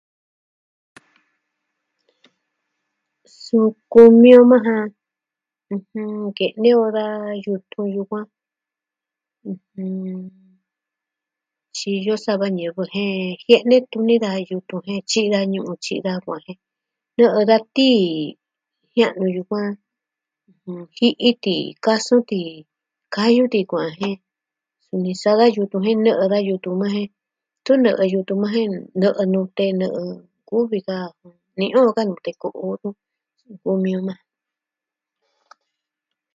Suu kumi o maa ja, ɨjɨn kene o da yutun yukuan tyiyo sava ñivɨ jen jiene tuni da yutun jen tyi da ñu'un tyi da va jen nɨ'ɨ da tii, jia'nu yukuan. Nuu ji'i ti, kasɨ ti. kayu ti kuaan jen. Suni sa da yutun jen nɨ'ɨ da yutun maa jen tu nɨ'ɨ yutun maa jen nɨ'ɨ nute, nɨ'ɨ kuvi ka nii o ka nuu teku o nu. kumi o maa.